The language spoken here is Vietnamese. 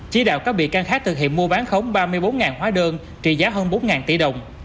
chí đạo các bị can khác thực hiện mua bán khống ba mươi bốn hóa đơn trị giá hơn bốn tỷ đồng